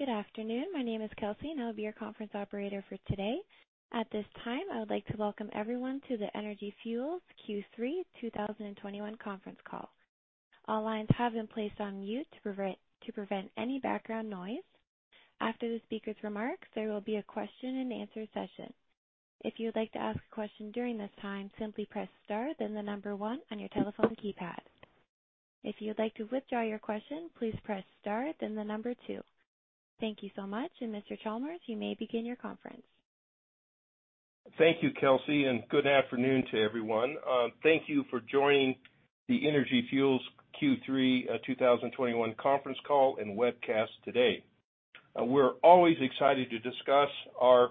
Good afternoon. My name is Kelsey, and I will be your conference operator for today. At this time, I would like to welcome everyone to the Energy Fuels Q3 2021 conference call. All lines have been placed on mute to prevent any background noise. After the speaker's remarks, there will be a question and answer session. If you'd like to ask a question during this time, simply press Star, then one on your telephone keypad. If you'd like to withdraw your question, please press Star, then two. Thank you so much. Mr. Chalmers, you may begin your conference. Thank you, Kelsey, and good afternoon to everyone. Thank you for joining the Energy Fuels Q3 2021 conference call and webcast today. We're always excited to discuss our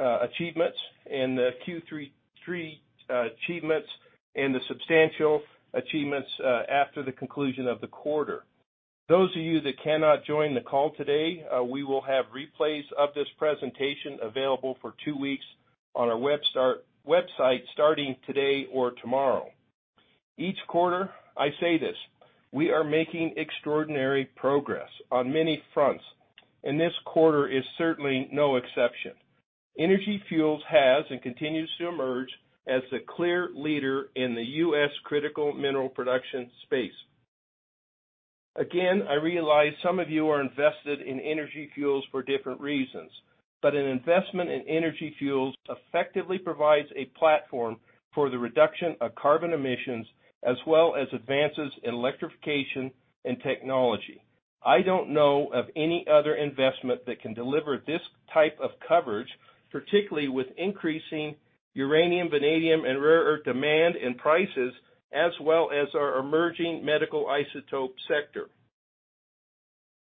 achievements in the Q3 achievements and the substantial achievements after the conclusion of the quarter. Those of you that cannot join the call today, we will have replays of this presentation available for two weeks on our website starting today or tomorrow. Each quarter, I say this, we are making extraordinary progress on many fronts, and this quarter is certainly no exception. Energy Fuels has and continues to emerge as the clear leader in the U.S. critical mineral production space. Again, I realize some of you are invested in Energy Fuels for different reasons. An investment in Energy Fuels effectively provides a platform for the reduction of carbon emissions, as well as advances in electrification and technology. I don't know of any other investment that can deliver this type of coverage, particularly with increasing uranium, vanadium, and rare earth demand and prices, as well as our emerging medical isotope sector.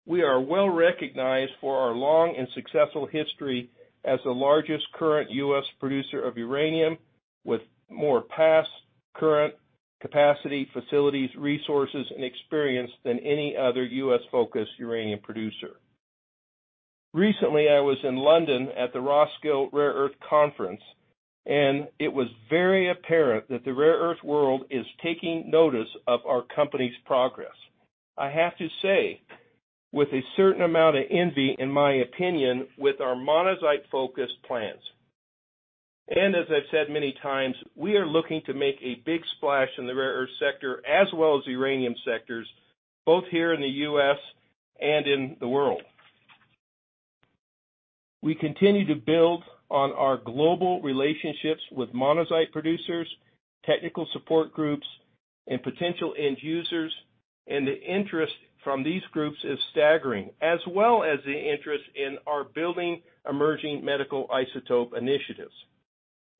We are well-recognized for our long and successful history as the largest current U.S. producer of uranium, with more past, current capacity, facilities, resources, and experience than any other U.S.-focused uranium producer. Recently, I was in London at the Roskill Rare Earth Conference, and it was very apparent that the rare earth world is taking notice of our company's progress. I have to say, with a certain amount of envy, in my opinion, with our monazite-focused plans. As I've said many times, we are looking to make a big splash in the rare earth sector as well as the uranium sectors, both here in the U.S. and in the world. We continue to build on our global relationships with monazite producers, technical support groups, and potential end users. The interest from these groups is staggering as well as the interest in our building emerging medical isotope initiatives.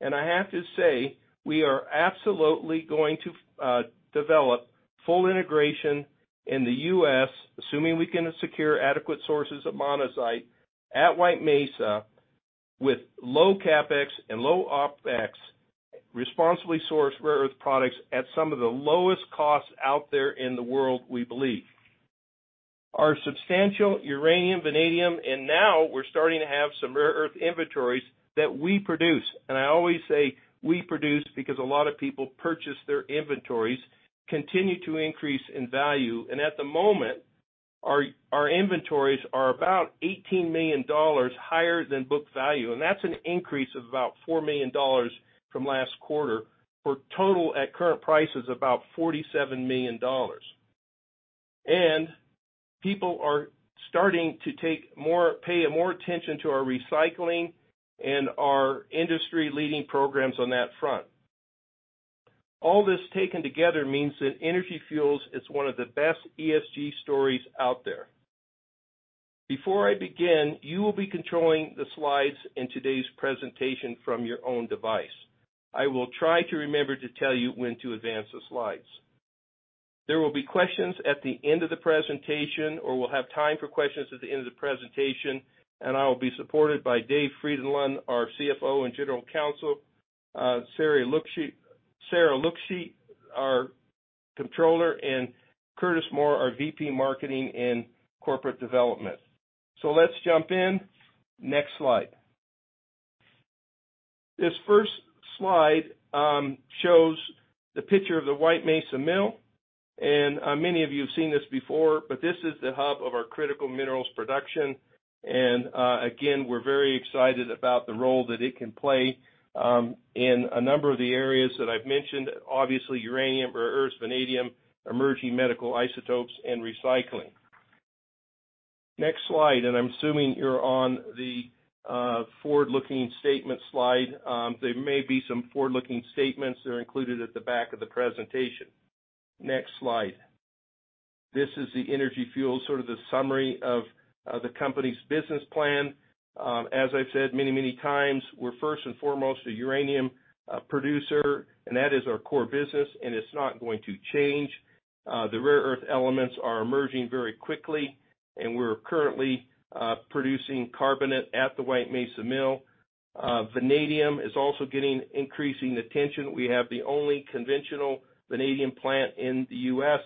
I have to say, we are absolutely going to develop full integration in the U.S., assuming we can secure adequate sources of monazite at White Mesa with low CapEx and low OpEx, responsibly sourced rare earth products at some of the lowest costs out there in the world, we believe. Our substantial uranium, vanadium, and now we're starting to have some rare earth inventories that we produce. I always say we produce because a lot of people purchase their inventories, continue to increase in value. At the moment, our inventories are about $18 million higher than book value, and that's an increase of about $4 million from last quarter. The total, at current price, is about $47 million. People are starting to pay more attention to our recycling and our industry-leading programs on that front. All this taken together means that Energy Fuels is one of the best ESG stories out there. Before I begin, you will be controlling the slides in today's presentation from your own device. I will try to remember to tell you when to advance the slides. There will be questions at the end of the presentation, or we'll have time for questions at the end of the presentation, and I will be supported by Dave Frydenlund, our CFO and General Counsel, Sarah Luksch, our Controller, and Curtis Moore, our VP, Marketing and Corporate Development. Let's jump in. Next slide. This first slide shows the picture of the White Mesa Mill, and many of you have seen this before, but this is the hub of our critical minerals production. Again, we're very excited about the role that it can play in a number of the areas that I've mentioned, obviously, uranium, rare earths, vanadium, emerging medical isotopes, and recycling. Next slide. I'm assuming you're on the forward-looking statement slide. There may be some forward-looking statements that are included at the back of the presentation. Next slide. This is the Energy Fuels, sort of the summary of the company's business plan. As I've said many, many times, we're first and foremost a uranium producer, and that is our core business, and it's not going to change. The rare earth elements are emerging very quickly, and we're currently producing carbonate at the White Mesa Mill. Vanadium is also getting increasing attention. We have the only conventional vanadium plant in the U.S.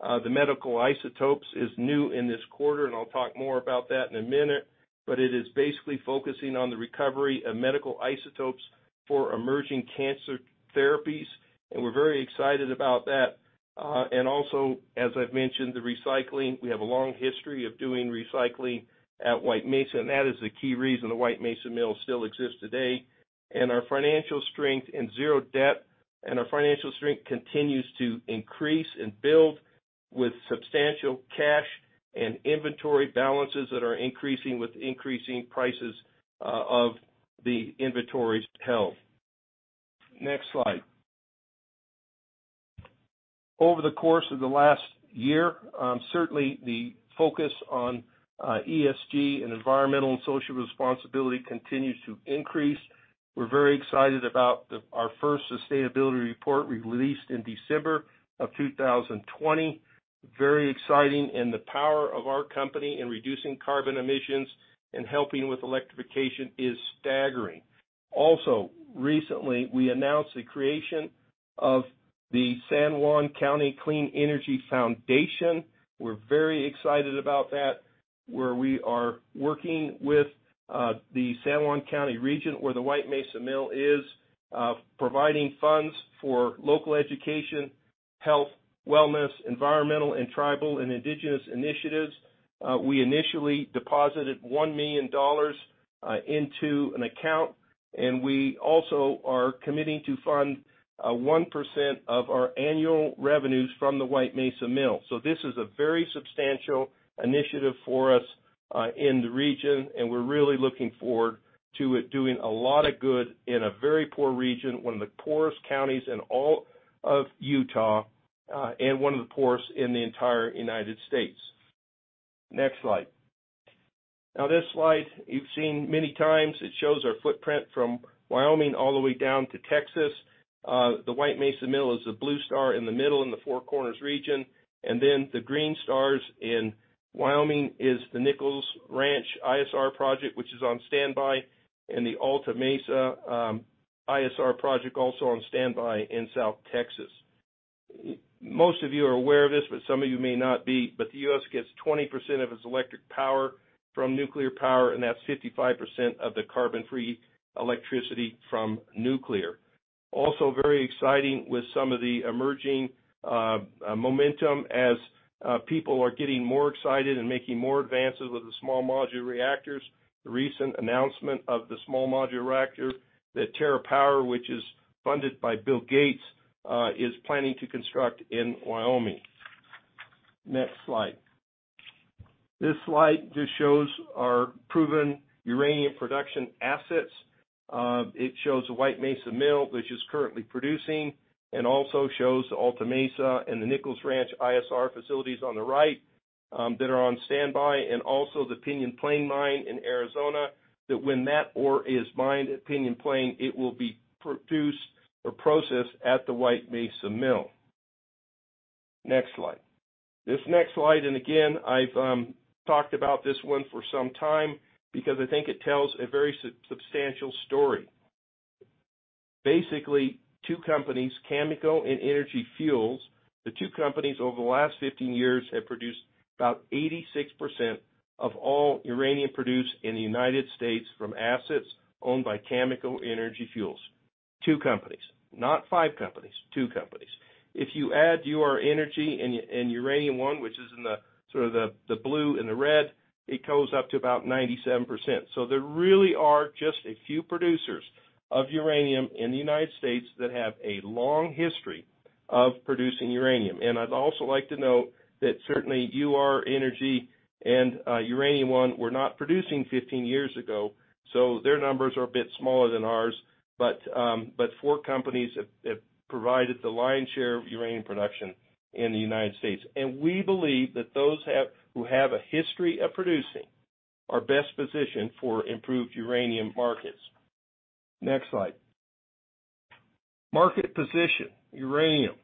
The medical isotopes is new in this quarter, and I'll talk more about that in a minute, but it is basically focusing on the recovery of medical isotopes for emerging cancer therapies, and we're very excited about that. Also, as I've mentioned, the recycling. We have a long history of doing recycling at White Mesa, and that is the key reason the White Mesa Mill still exists today. Our financial strength and zero debt. Our financial strength continues to increase and build with substantial cash and inventory balances that are increasing with increasing prices of the inventories held. Next slide. Over the course of the last year, certainly the focus on ESG and environmental and social responsibility continues to increase. We're very excited about our first sustainability report we released in December of 2020. Very exciting. The power of our company in reducing carbon emissions and helping with electrification is staggering. Also, recently, we announced the creation of the San Juan County Clean Energy Foundation. We're very excited about that, where we are working with the San Juan County region, where the White Mesa Mill is, providing funds for local education, health, wellness, environmental, and tribal and indigenous initiatives. We initially deposited $1 million into an account, and we also are committing to fund 1% of our annual revenues from the White Mesa Mill. This is a very substantial initiative for us in the region, and we're really looking forward to it doing a lot of good in a very poor region, one of the poorest counties in all of Utah, and one of the poorest in the entire United States. Next slide. Now, this slide you've seen many times. It shows our footprint from Wyoming all the way down to Texas. The White Mesa Mill is the blue star in the middle, in the Four Corners region. Then the green stars in Wyoming is the Nichols Ranch ISR project, which is on standby, and the Alta Mesa ISR project, also on standby in South Texas. Most of you are aware of this, but some of you may not be, but the U.S. gets 20% of its electric power from nuclear power, and that's 55% of the carbon-free electricity from nuclear. Very exciting with some of the emerging momentum as people are getting more excited and making more advances with the small modular reactors. The recent announcement of the small modular reactor that TerraPower, which is funded by Bill Gates, is planning to construct in Wyoming. Next slide. This slide just shows our proven uranium production assets. It shows the White Mesa Mill, which is currently producing, and also shows the Alta Mesa and the Nichols Ranch ISR facilities on the right, that are on standby. Also the Pinyon Plain mine in Arizona, that when that ore is mined at Pinyon Plain, it will be produced or processed at the White Mesa Mill. Next slide. This next slide, and again, I've talked about this one for some time because I think it tells a very substantial story. Basically, two companies, Cameco and Energy Fuels. The two companies, over the last 15 years, have produced about 86% of all uranium produced in the United States from assets owned by Cameco and Energy Fuels. Two companies, not five companies, two companies. If you add Ur-Energy and Uranium One, which is in the blue and the red, it goes up to about 97%. There really are just a few producers of uranium in the United States that have a long history of producing uranium. I'd also like to note that certainly Ur-Energy and Uranium One were not producing 15 years ago, so their numbers are a bit smaller than ours. Four companies have provided the lion's share of uranium production in the United States. We believe that those who have a history of producing are best positioned for improved uranium markets. Next slide. Market position, uranium.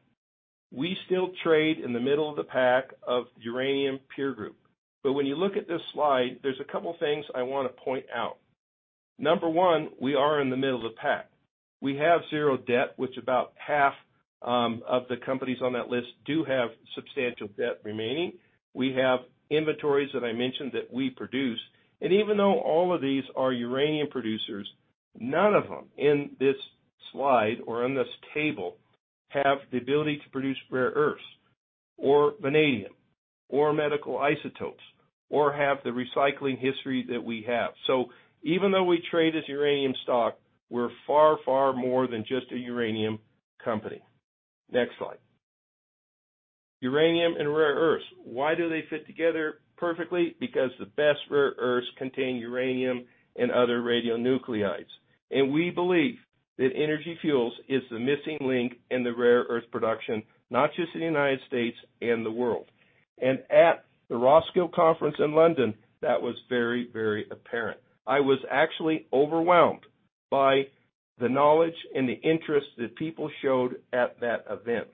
We still trade in the middle of the pack of uranium peer group. When you look at this slide, there's a couple things I wanna point out. Number one, we are in the middle of the pack. We have zero debt, which about half of the companies on that list do have substantial debt remaining. We have inventories that I mentioned that we produce. Even though all of these are uranium producers, none of them in this slide or on this table have the ability to produce rare earths, or vanadium, or medical isotopes, or have the recycling history that we have. Even though we trade as uranium stock, we're far, far more than just a uranium company. Next slide. Uranium and rare earths. Why do they fit together perfectly? Because the best rare earths contain uranium and other radionuclides. We believe that Energy Fuels is the missing link in the rare earth production, not just in the United States, in the world. At the Roskill Conference in London, that was very, very apparent. I was actually overwhelmed by the knowledge and the interest that people showed at that event.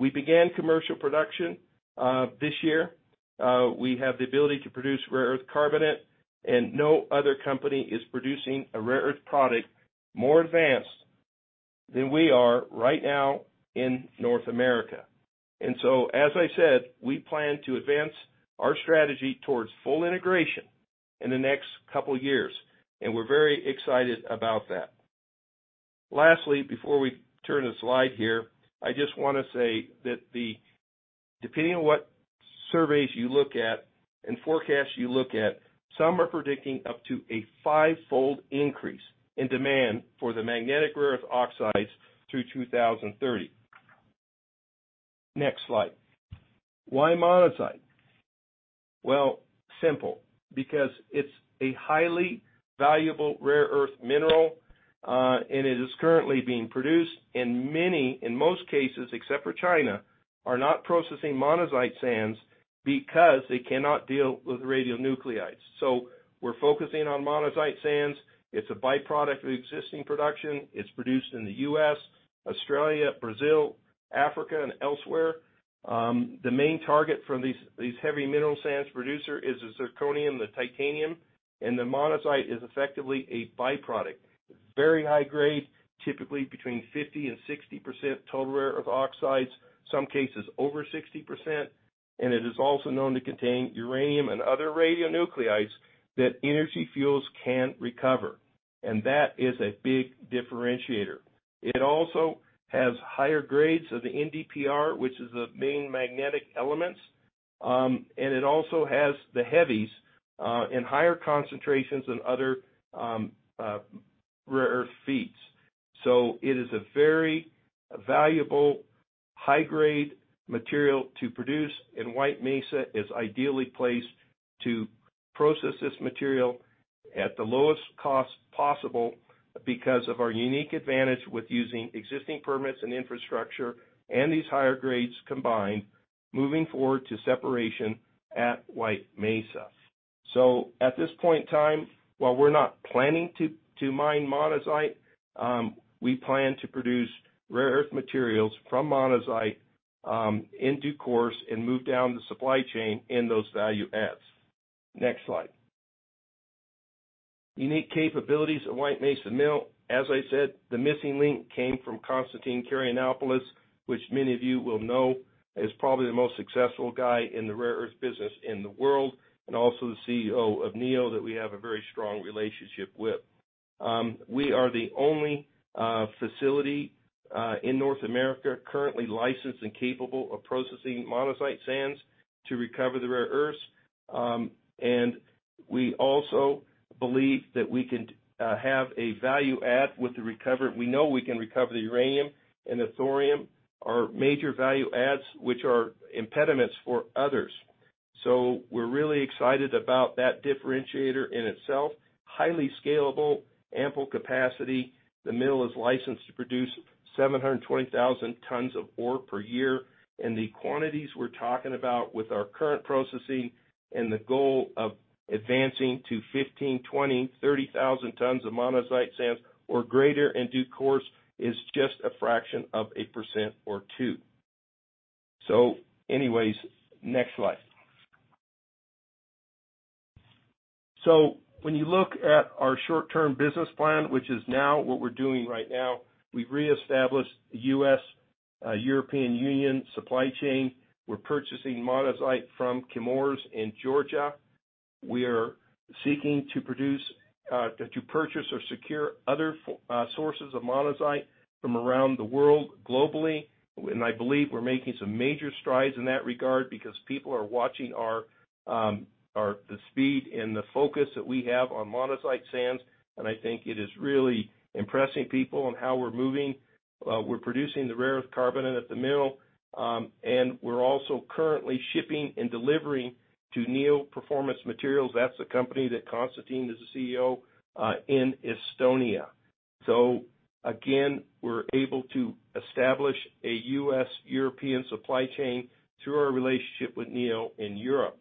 We began commercial production this year. We have the ability to produce rare earth carbonate, and no other company is producing a rare earth product more advanced than we are right now in North America. As I said, we plan to advance our strategy towards full integration in the next couple of years, and we're very excited about that. Lastly, before we turn the slide here, I just wanna say that depending on what surveys you look at and forecasts you look at, some are predicting up to a five-fold increase in demand for the magnetic rare earth oxides through 2030. Next slide. Why monazite? Well, simple, because it's a highly valuable rare earth mineral, and it is currently being produced, and many, in most cases, except for China, are not processing monazite sands because they cannot deal with radionuclides. We're focusing on monazite sands. It's a byproduct of existing production. It's produced in the U.S., Australia, Brazil, Africa, and elsewhere. The main target from these heavy mineral sands producer is the zirconium, the titanium, and the monazite is effectively a byproduct. Very high grade, typically between 50%-60% total rare earth oxides, in some cases over 60%, and it is also known to contain uranium and other radionuclides that Energy Fuels can't recover. That is a big differentiator. It also has higher grades of the NdPr, which is the main magnetic elements, and it also has the heavies, in higher concentrations than other, rare earth feeds. It is a very valuable high-grade material to produce, and White Mesa is ideally placed to process this material at the lowest cost possible because of our unique advantage with using existing permits and infrastructure, and these higher grades combined, moving forward to separation at White Mesa. At this point in time, while we're not planning to mine monazite, we plan to produce rare earth materials from monazite, in due course and move down the supply chain in those value adds. Next slide. Unique capabilities at White Mesa Mill. As I said, the missing link came from Constantine Karayannopoulos, which many of you will know is probably the most successful guy in the rare earth business in the world, and also the CEO of Neo that we have a very strong relationship with. We are the only facility in North America currently licensed and capable of processing monazite sands to recover the rare earths. We also believe that we can have a value add. We know we can recover the uranium and the thorium, our major value adds, which are impediments for others. We're really excited about that differentiator in itself. Highly scalable, ample capacity. The mill is licensed to produce 720,000 tons of ore per year, and the quantities we're talking about with our current processing and the goal of advancing to 15,000, 20,000, 30,000 tons of monazite sands or greater in due course is just a fraction of a percent or two. Anyways, next slide. When you look at our short-term business plan, which is now what we're doing right now, we've reestablished the U.S. European Union supply chain. We're purchasing monazite from Chemours in Georgia. We are seeking to purchase or secure other sources of monazite from around the world globally. I believe we're making some major strides in that regard because people are watching the speed and the focus that we have on monazite sands, and I think it is really impressing people on how we're moving. We're producing the rare earth carbonate at the mill, and we're also currently shipping and delivering to Neo Performance Materials. That's the company that Constantine is the CEO in Estonia. We're able to establish a U.S.-European supply chain through our relationship with Neo in Europe.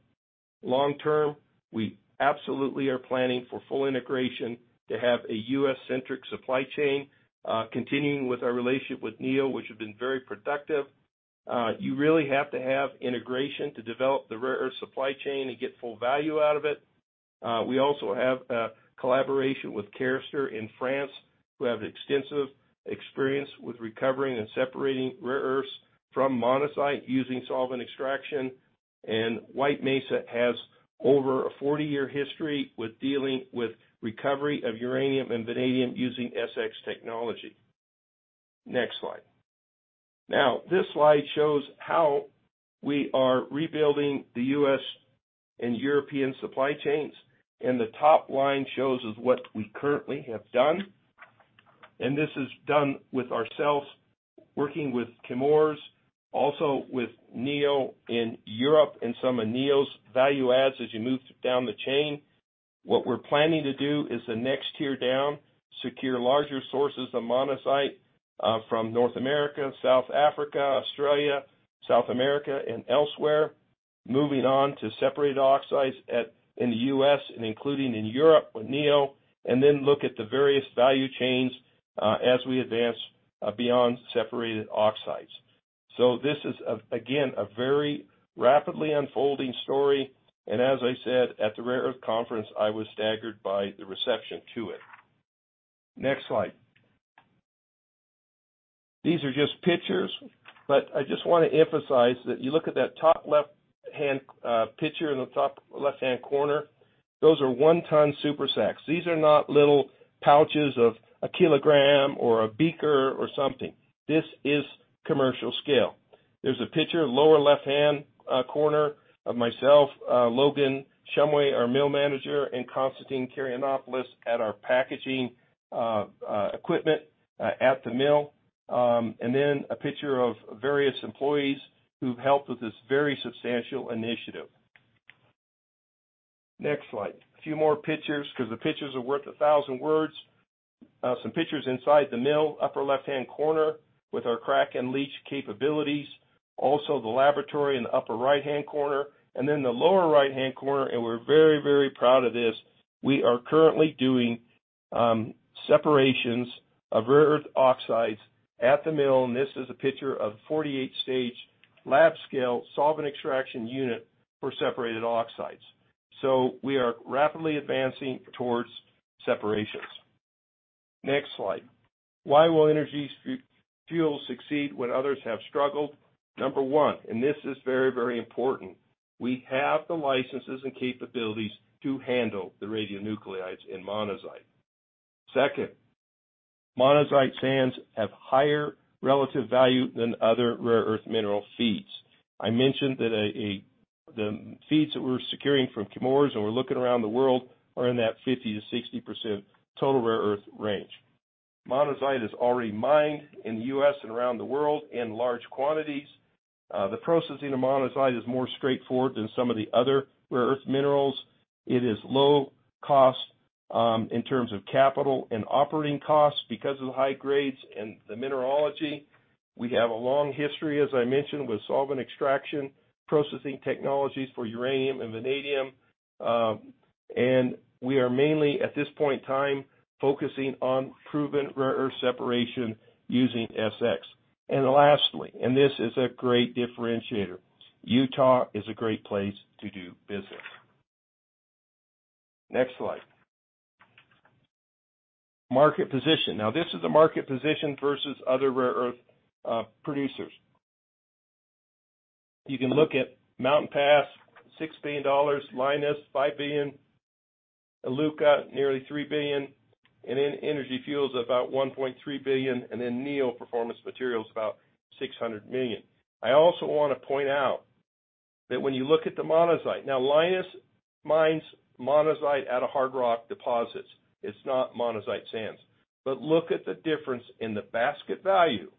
Long term, we absolutely are planning for full integration to have a U.S.-centric supply chain, continuing with our relationship with Neo, which has been very productive. You really have to have integration to develop the rare earth supply chain and get full value out of it. We also have a collaboration with Carester in France, who have extensive experience with recovering and separating rare earths from monazite using solvent extraction. White Mesa has over a 40-year history with dealing with recovery of uranium and vanadium using SX technology. Next slide. Now, this slide shows how we are rebuilding the U.S. and European supply chains, and the top line shows what we currently have done. This is done with ourselves, working with Chemours, also with Neo in Europe and some of Neo's value adds as you move down the chain. What we're planning to do is the next tier down, secure larger sources of monazite from North America, South Africa, Australia, South America, and elsewhere. Moving on to separate oxides in the U.S. and including in Europe with Neo, and then look at the various value chains, as we advance beyond separated oxides. This is a very rapidly unfolding story. As I said at the Rare Earth Conference, I was staggered by the reception to it. Next slide. These are just pictures, but I just wanna emphasize that you look at that top left-hand picture in the top left-hand corner, those are one-ton super sacks. These are not little pouches of a kilogram or a beaker or something. This is commercial scale. There's a picture, lower left-hand corner of myself, Logan Shumway, our mill manager, and Constantine Karayannopoulos at our packaging equipment at the mill. A picture of various employees who've helped with this very substantial initiative. Next slide. A few more pictures, 'cause the pictures are worth a thousand words. Some pictures inside the mill, upper left-hand corner, with our crack and leach capabilities. Also the laboratory in the upper right-hand corner, and then the lower right-hand corner, and we're very, very proud of this. We are currently doing separations of rare earth oxides at the mill, and this is a picture of 48-stage lab scale solvent extraction unit for separated oxides. We are rapidly advancing towards separations. Next slide. Why will Energy Fuels succeed when others have struggled? Number one, and this is very, very important, we have the licenses and capabilities to handle the radionuclides in monazite. Second, monazite sands have higher relative value than other rare earth mineral feeds. I mentioned that the feeds that we're securing from Chemours and we're looking around the world are in that 50%-60% total rare earth range. Monazite is already mined in the U.S. and around the world in large quantities. The processing of monazite is more straightforward than some of the other rare earth minerals. It is low cost in terms of capital and operating costs because of the high grades and the mineralogy. We have a long history, as I mentioned, with solvent extraction, processing technologies for uranium and vanadium. We are mainly, at this point in time, focusing on proven rare earth separation using SX. Lastly, and this is a great differentiator, Utah is a great place to do business. Next slide. Market position. Now, this is a market position versus other rare earth producers. You can look at Mountain Pass, $6 billion, Lynas, $5 billion, Iluka, nearly $3 billion, and then Energy Fuels, about $1.3 billion, and then Neo Performance Materials, about $600 million. I also wanna point out that when you look at the monazite, now Lynas mines monazite out of hard rock deposits. It's not monazite sands. But look at the difference in the basket value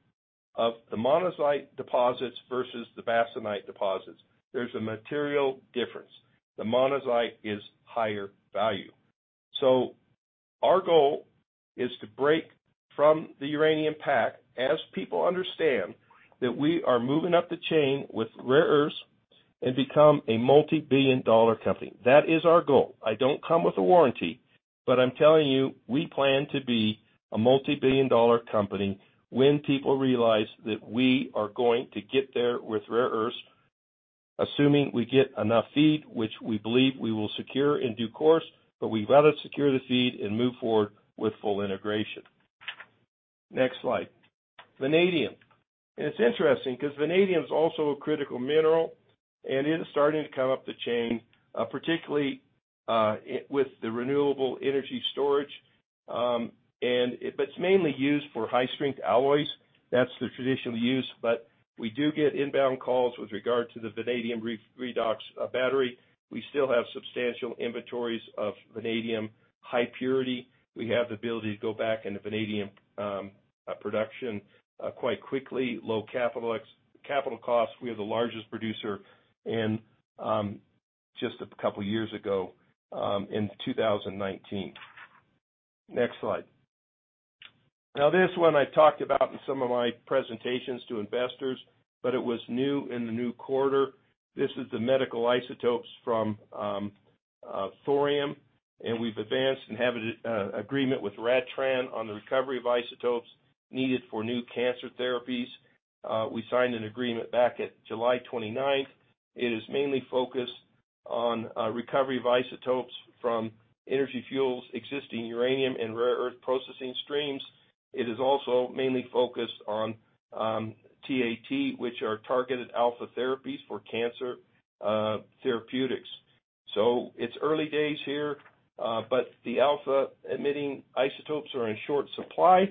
of the monazite deposits versus the bastnaesite deposits. There's a material difference. The monazite is higher value. Our goal is to break from the uranium pack as people understand that we are moving up the chain with rare earths and become a multi-billion dollar company. That is our goal. I don't come with a warranty, but I'm telling you, we plan to be a multi-billion dollar company when people realize that we are going to get there with rare earths, assuming we get enough feed, which we believe we will secure in due course, but we'd rather secure the feed and move forward with full integration. Next slide. Vanadium. It's interesting 'cause vanadium is also a critical mineral, and it is starting to come up the chain, particularly with the renewable energy storage. It's mainly used for high-strength alloys. That's the traditional use. We do get inbound calls with regard to the vanadium redox battery. We still have substantial inventories of vanadium, high purity. We have the ability to go back into vanadium production quite quickly. Low capital costs. We are the largest producer in just a couple years ago in 2019. Next slide. Now this one I talked about in some of my presentations to investors, but it was new in the new quarter. This is the medical isotopes from thorium, and we've advanced and have an agreement with RadTran on the recovery of isotopes needed for new cancer therapies. We signed an agreement back at July 29. It is mainly focused on recovery of isotopes from Energy Fuels existing uranium and rare earth processing streams. It is also mainly focused on TAT, which are targeted alpha therapies for cancer therapeutics. It's early days here, but the alpha emitting isotopes are in short supply,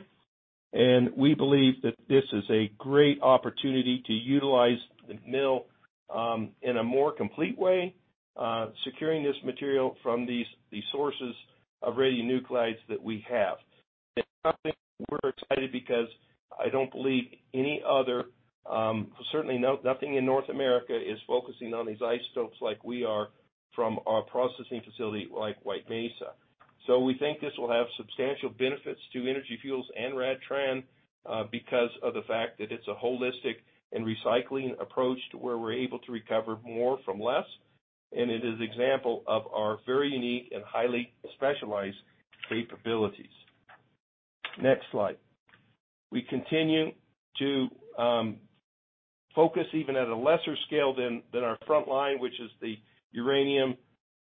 and we believe that this is a great opportunity to utilize the mill in a more complete way, securing this material from these sources of radionuclides that we have. We're excited because I don't believe any other, certainly nothing in North America is focusing on these isotopes like we are from our processing facility like White Mesa. We think this will have substantial benefits to Energy Fuels and RadTran, because of the fact that it's a holistic and recycling approach to where we're able to recover more from less, and it is example of our very unique and highly specialized capabilities. Next slide. We continue to focus even at a lesser scale than our front line, which is the uranium,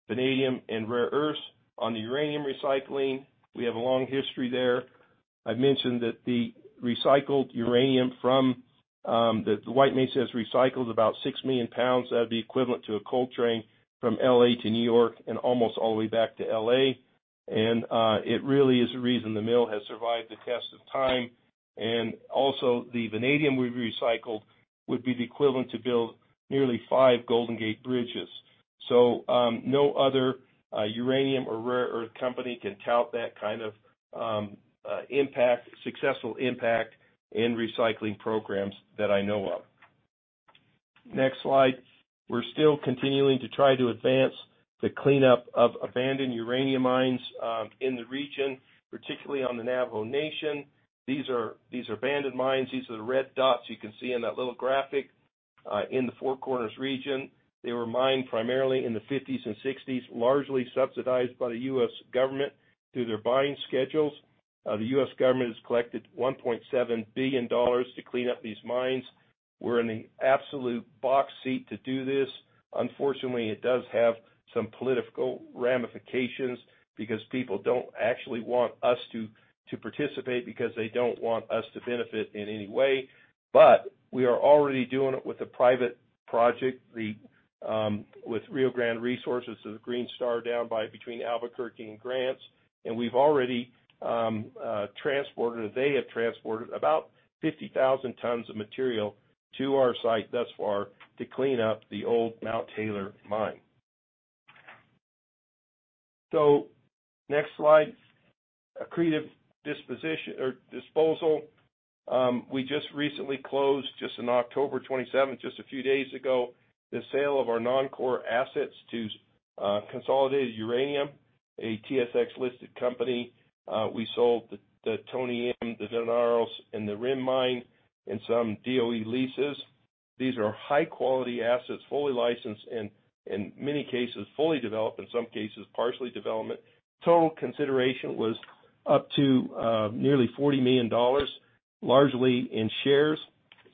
vanadium, and rare earths. On the uranium recycling, we have a long history there. I've mentioned that the recycled uranium from the White Mesa has recycled about 6 million pounds. That'd be equivalent to a coal train from L.A. to New York and almost all the way back to L.A. It really is the reason the mill has survived the test of time. Also, the vanadium we've recycled would be the equivalent to build nearly five Golden Gate Bridges. No other uranium or rare earth company can tout that kind of impact, successful impact in recycling programs that I know of. Next slide. We're still continuing to try to advance the cleanup of abandoned uranium mines in the region, particularly on the Navajo Nation. These are abandoned mines. These are the red dots you can see in that little graphic in the Four Corners region. They were mined primarily in the fifties and sixties, largely subsidized by the U.S. government through their buying schedules. The U.S. government has collected $1.7 billion to clean up these mines. We're in the absolute box seat to do this. Unfortunately, it does have some political ramifications because people don't actually want us to participate because they don't want us to benefit in any way. We are already doing it with a private project, the with Rio Grande Resources, so the Green Star down by between Albuquerque and Grants. We've already transported or they have transported about 50,000 tons of material to our site thus far to clean up the old Mount Taylor mine. Next slide. Accretive disposition or disposal. We just recently closed, just on October 27, just a few days ago, the sale of our non-core assets to Consolidated Uranium, a TSX-listed company. We sold the Tony M, the Daneros, and the Rim mine and some DOE leases. These are high-quality assets, fully licensed and, in many cases, fully developed, in some cases, partially developed. Total consideration was up to nearly $40 million, largely in shares.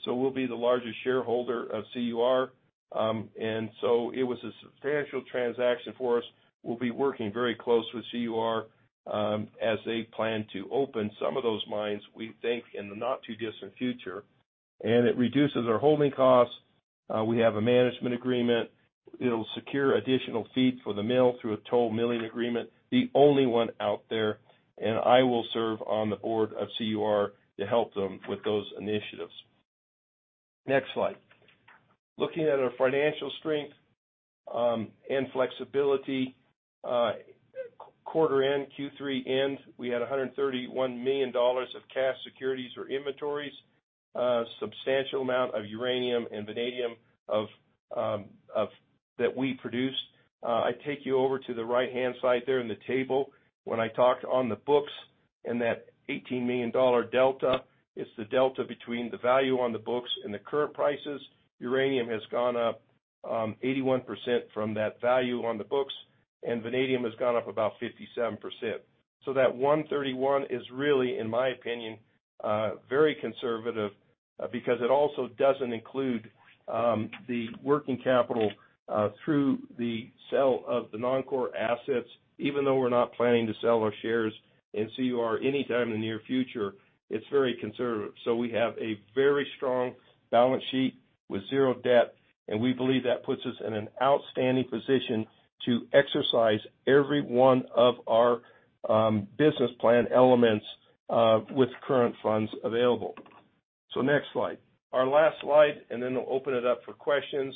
We'll be the largest shareholder of CUR. It was a substantial transaction for us. We'll be working very closely with CUR, as they plan to open some of those mines, we think in the not too distant future, and it reduces our holding costs. We have a management agreement. It'll secure additional feed for the mill through a toll milling agreement, the only one out there. I will serve on the board of CUR to help them with those initiatives. Next slide. Looking at our financial strength and flexibility. Quarter end, Q3 end, we had $131 million of cash, securities, or inventories, a substantial amount of uranium and vanadium of that we produced. I take you over to the right-hand side there in the table. When I talked on the books and that $18 million dollar delta, it's the delta between the value on the books and the current prices. Uranium has gone up 81% from that value on the books, and vanadium has gone up about 57%. That $131 million is really, in my opinion, very conservative because it also doesn't include the working capital through the sale of the non-core assets. Even though we're not planning to sell our shares in CUR anytime in the near future, it's very conservative. We have a very strong balance sheet with zero debt, and we believe that puts us in an outstanding position to exercise every one of our business plan elements with current funds available. Next slide. Our last slide, and then we'll open it up for questions.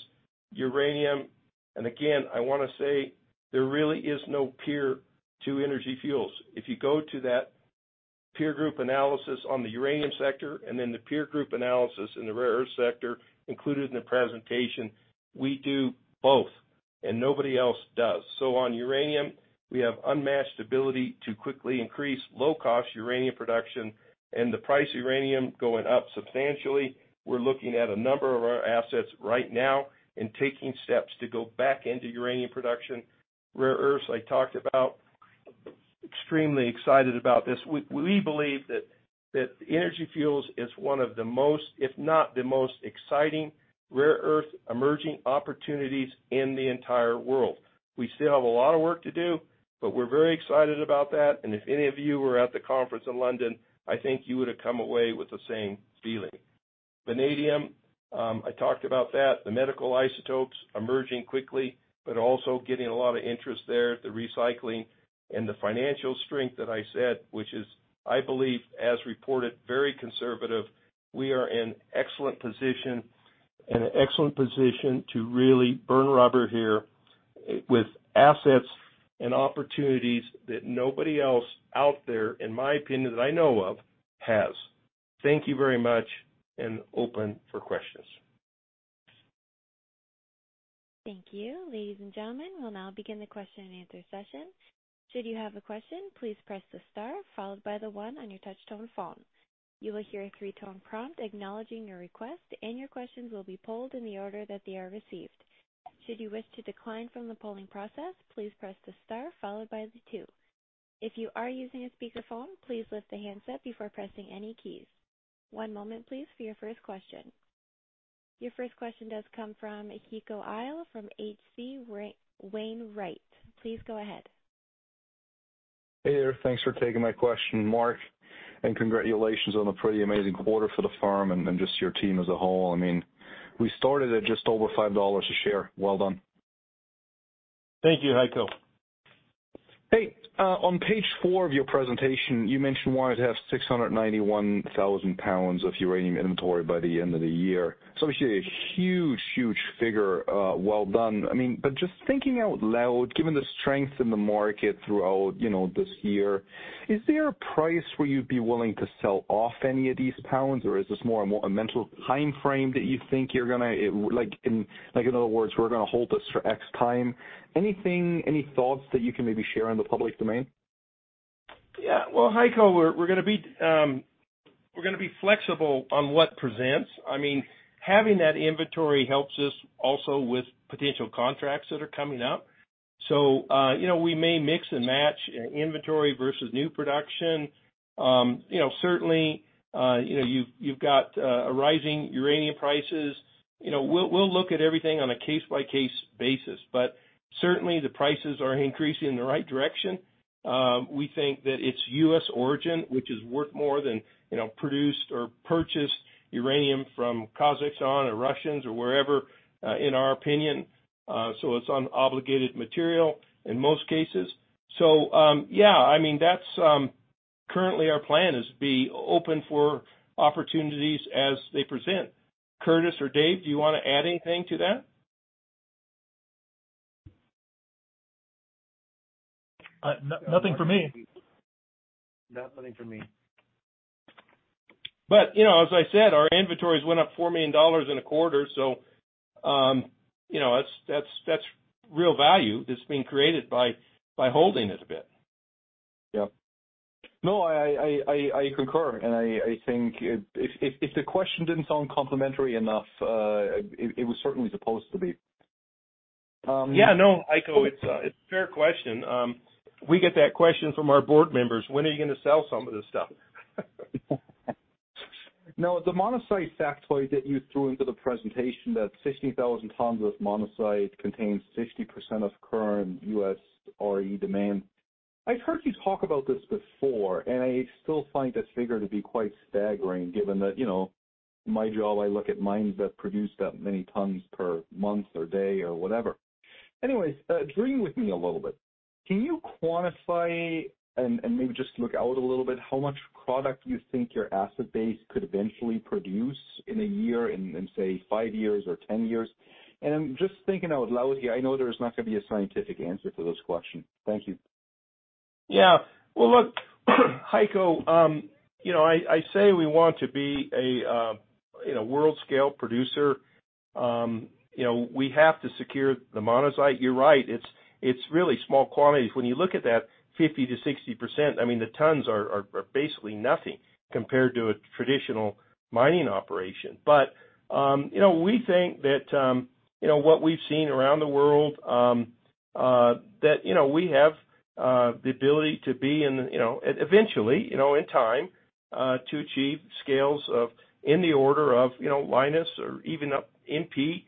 Uranium. Again, I wanna say there really is no peer to Energy Fuels. If you go to that peer group analysis on the uranium sector and then the peer group analysis in the rare earth sector included in the presentation, we do both and nobody else does. On uranium, we have unmatched ability to quickly increase low-cost uranium production and the price of uranium going up substantially. We're looking at a number of our assets right now and taking steps to go back into uranium production. Rare earths, I talked about. Extremely excited about this. We believe that Energy Fuels is one of the most, if not the most exciting rare earth emerging opportunities in the entire world. We still have a lot of work to do, but we're very excited about that. If any of you were at the conference in London, I think you would have come away with the same feeling. Vanadium, I talked about that. The medical isotopes emerging quickly but also getting a lot of interest there. The recycling and the financial strength that I said, which is, I believe, as reported, very conservative. We are in an excellent position to really burn rubber here with assets and opportunities that nobody else out there, in my opinion, that I know of, has. Thank you very much, and we're open for questions. Thank you. Ladies and gentlemen, we'll now begin the question and answer session. Should you have a question, please press the star followed by the one on your touch-tone phone. You will hear a three-tone prompt acknowledging your request, and your questions will be pulled in the order that they are received. Should you wish to decline from the polling process, please press the star followed by the two. If you are using a speakerphone, please lift the handset before pressing any keys. One moment please for your first question. Your first question does come from Heiko Ihle from H.C. Wainwright. Please go ahead. Hey there. Thanks for taking my question, Mark, and congratulations on a pretty amazing quarter for the firm and just your team as a whole. I mean, we started at just over $5 a share. Well done. Thank you, Heiko. Hey, on page four of your presentation, you mentioned wanting to have 691,000 lbs of uranium inventory by the end of the year. It's obviously a huge, huge figure. Well done. I mean, just thinking out loud, given the strength in the market throughout, you know, this year, is there a price where you'd be willing to sell off any of these pounds, or is this more a mental timeframe that you think you're gonna, like, in other words, we're gonna hold this for X time. Anything, any thoughts that you can maybe share in the public domain? Yeah. Well, Heiko, we're gonna be flexible on what presents. I mean, having that inventory helps us also with potential contracts that are coming up. You know, we may mix and match inventory versus new production. You know, certainly, you know, you've got rising uranium prices. You know, we'll look at everything on a case-by-case basis, but certainly the prices are increasing in the right direction. We think that it's U.S. origin, which is worth more than, you know, produced or purchased uranium from Kazakhstan or Russian or wherever, in our opinion. It's unobligated material in most cases. Yeah, I mean, that's currently our plan is to be open for opportunities as they present. Curtis or Dave, do you wanna add anything to that? Nothing for me. You know, as I said, our inventories went up $4 million in a quarter, so, you know, that's real value that's being created by holding it a bit. Yeah. No, I concur, and I think if the question didn't sound complimentary enough, it was certainly supposed to be. Yeah, no, Heiko, it's a fair question. We get that question from our board members: "When are you gonna sell some of this stuff? Now, the monazite factoid that you threw into the presentation, that 60,000 tons of monazite contains 60% of current U.S. REE demand. I've heard you talk about this before, and I still find that figure to be quite staggering given that, you know, my job, I look at mines that produce that many tons per month or day or whatever. Anyways, dream with me a little bit. Can you quantify and maybe just look out a little bit how much product you think your asset base could eventually produce in a year, in say, five years or 10 years? I'm just thinking out loud here. I know there's not gonna be a scientific answer to this question. Thank you. Yeah. Well, look, Heiko, you know, I say we want to be a world-scale producer. You know, we have to secure the monazite. You're right. It's really small quantities. When you look at that 50%-60%, I mean, the tons are basically nothing compared to a traditional mining operation. You know, we think that, you know, what we've seen around the world, that, you know, we have the ability to be in, you know, eventually, you know, in time, to achieve scales of, in the order of, you know, Lynas or even up to MP,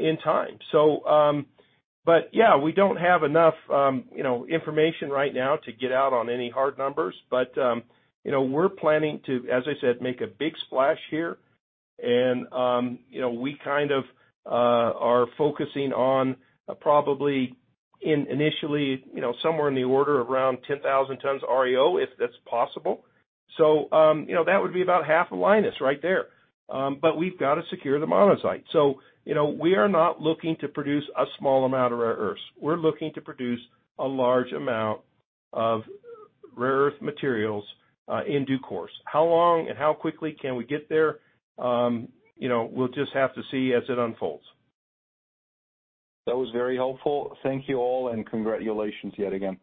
in time. Yeah, we don't have enough, you know, information right now to get out on any hard numbers. You know, we're planning to, as I said, make a big splash here and, you know, we kind of are focusing on probably initially, you know, somewhere in the order of around 10,000 tons REO, if that's possible. You know, that would be about half of Lynas right there. But we've got to secure the monazite. You know, we are not looking to produce a small amount of rare earths. We're looking to produce a large amount of rare earth materials, in due course. How long and how quickly can we get there? You know, we'll just have to see as it unfolds. That was very helpful. Thank you all, and congratulations yet again.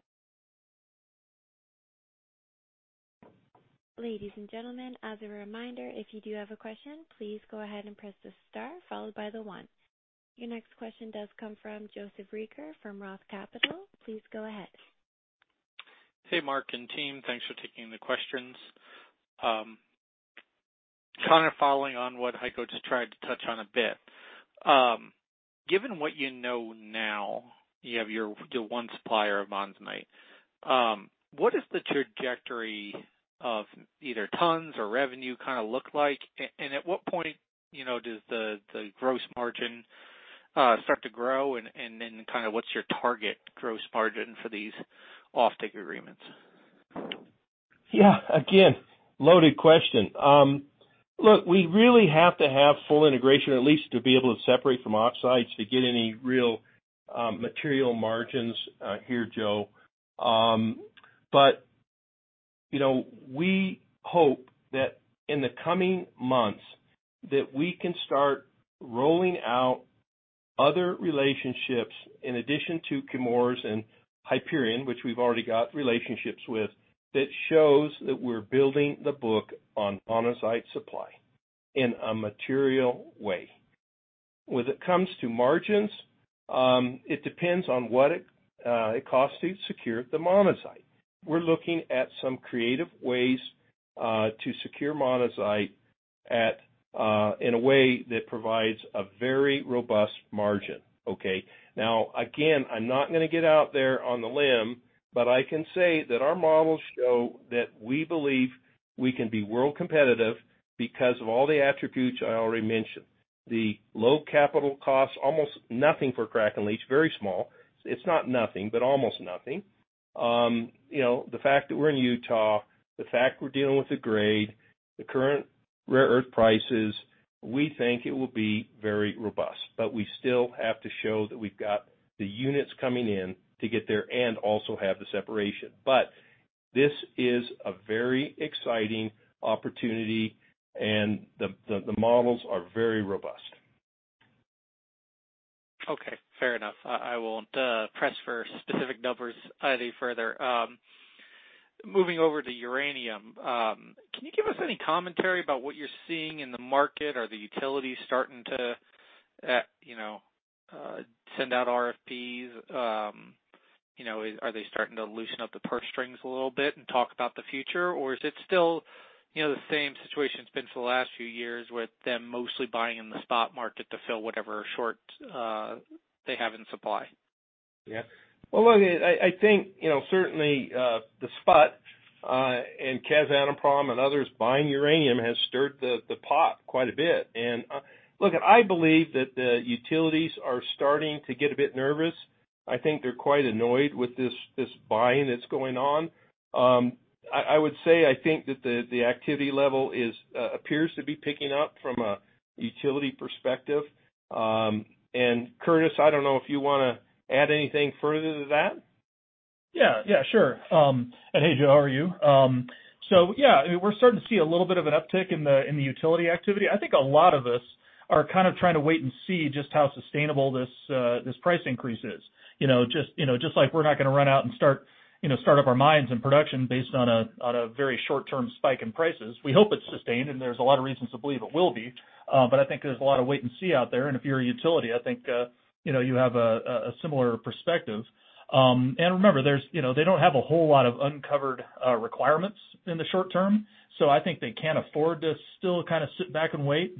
Ladies and gentlemen, as a reminder, if you do have a question, please go ahead and press the star followed by the one. Your next question does come from Joseph Reagor from Roth Capital. Please go ahead. Hey, Mark and team. Thanks for taking the questions. Kind of following on what Heiko just tried to touch on a bit. Given what you know now, the one supplier of monazite, what does the trajectory of either tons or revenue kinda look like? And at what point, you know, does the gross margin start to grow? And then kinda what's your target gross margin for these offtake agreements? Yeah. Again, loaded question. Look, we really have to have full integration at least to be able to separate from oxides to get any real material margins here, Joe. You know, we hope that in the coming months that we can start rolling out other relationships in addition to Chemours and Hyperion, which we've already got relationships with, that shows that we're building the book on monazite supply. In a material way. When it comes to margins, it depends on what it costs to secure the monazite. We're looking at some creative ways to secure monazite in a way that provides a very robust margin, okay? Now, again, I'm not gonna get out there on the limb, but I can say that our models show that we believe we can be world competitive because of all the attributes I already mentioned. The low capital costs, almost nothing for crack and leach, very small. It's not nothing, but almost nothing. You know, the fact that we're in Utah, the fact we're dealing with the grade, the current rare earth prices. We think it will be very robust. We still have to show that we've got the units coming in to get there and also have the separation. This is a very exciting opportunity and the models are very robust. Okay, fair enough. I won't press for specific numbers any further. Moving over to uranium, can you give us any commentary about what you're seeing in the market? Are the utilities starting to send out RFPs? Are they starting to loosen up the purse strings a little bit and talk about the future? Or is it still the same situation it's been for the last few years with them mostly buying in the spot market to fill whatever short they have in supply? Yeah. Well, look, I think, you know, certainly the spot and Kazatomprom and others buying uranium has stirred the pot quite a bit. Look, I believe that the utilities are starting to get a bit nervous. I think they're quite annoyed with this buying that's going on. I would say I think that the activity level appears to be picking up from a utility perspective. Curtis, I don't know if you wanna add anything further to that. Yeah. Yeah, sure. Hey, how are you? So yeah, we're starting to see a little bit of an uptick in the utility activity. I think a lot of us are kind of trying to wait and see just how sustainable this price increase is. You know, just like we're not gonna run out and start up our mines and production based on a very short-term spike in prices. We hope it's sustained, and there's a lot of reasons to believe it will be, but I think there's a lot of wait and see out there. If you're a utility, I think you know, you have a similar perspective. Remember, there's you know they don't have a whole lot of uncovered requirements in the short term, so I think they can afford to still kind of sit back and wait.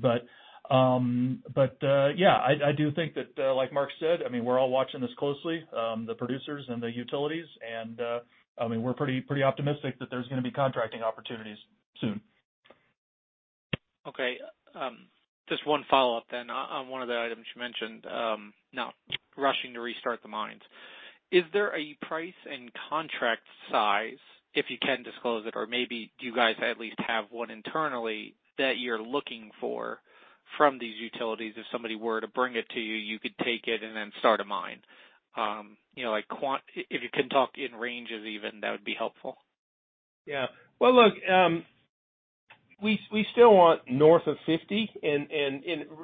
Yeah, I do think that like Mark said, I mean, we're all watching this closely the producers and the utilities, and I mean, we're pretty optimistic that there's gonna be contracting opportunities soon. Okay. Just one follow-up then on one of the items you mentioned, not rushing to restart the mines. Is there a price and contract size, if you can disclose it, or maybe do you guys at least have one internally that you're looking for from these utilities, if somebody were to bring it to you could take it and then start a mine? You know, like if you can talk in ranges even, that would be helpful. Yeah. Well, look, we still want north of 50 and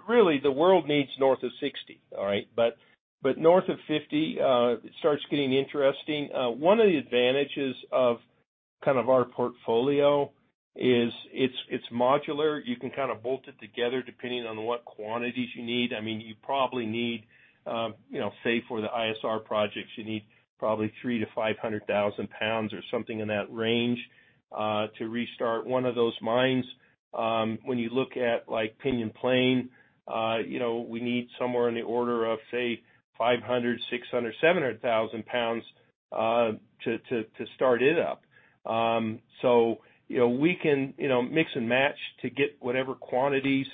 really the world needs north of 60. All right. But north of 50, it starts getting interesting. One of the advantages of kind of our portfolio is it's modular. You can kind of bolt it together depending on what quantities you need. I mean, you probably need, you know, say for the ISR projects, you need probably 300,000 lbs-500,000 lbs or something in that range, to restart one of those mines. When you look at like Pinyon Plain, you know, we need somewhere in the order of, say, 500,000 lbs, 600,000 lbs, 700,000 lbs, to start it up. So, you know, we can, you know, mix and match to get whatever quantities,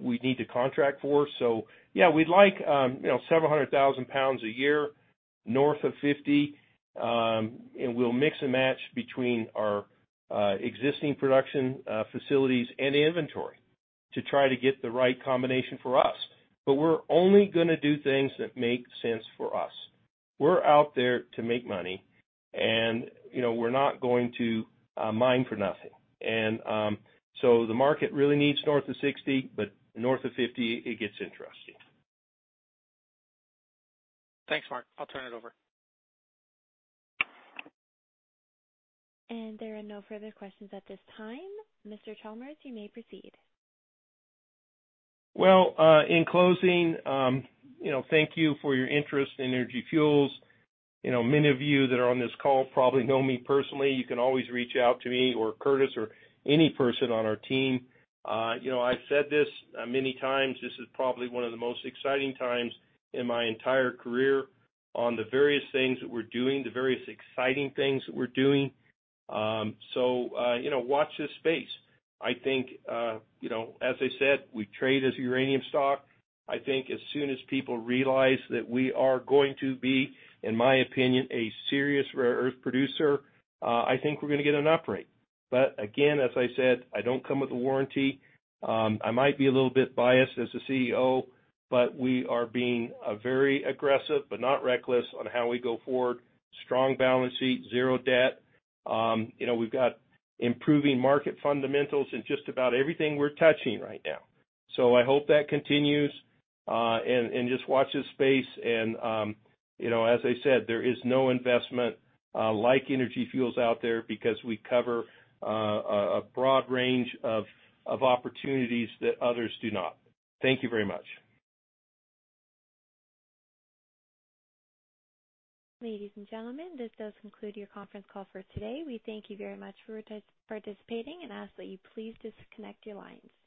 we need to contract for. Yeah, we'd like, you know, several hundred thousand pounds a year, north of 50, and we'll mix and match between our existing production facilities and inventory to try to get the right combination for us. But we're only gonna do things that make sense for us. We're out there to make money and, you know, we're not going to mine for nothing. The market really needs north of 60, but north of 50 it gets interesting. Thanks, Mark. I'll turn it over. There are no further questions at this time. Mr. Chalmers, you may proceed. Well, in closing, you know, thank you for your interest in Energy Fuels. You know, many of you that are on this call probably know me personally. You can always reach out to me or Curtis or any person on our team. You know, I've said this many times, this is probably one of the most exciting times in my entire career on the various things that we're doing, the various exciting things that we're doing. So, you know, watch this space. I think, you know, as I said, we trade as a uranium stock. I think as soon as people realize that we are going to be, in my opinion, a serious rare earth producer, I think we're gonna get an upside. Again, as I said, I don't come with a warranty. I might be a little bit biased as the CEO, but we are being very aggressive but not reckless on how we go forward. Strong balance sheet, zero debt. You know, we've got improving market fundamentals in just about everything we're touching right now. I hope that continues, and just watch this space. You know, as I said, there is no investment like Energy Fuels out there because we cover a broad range of opportunities that others do not. Thank you very much. Ladies and gentlemen, this does conclude your conference call for today. We thank you very much for participating and ask that you please disconnect your lines.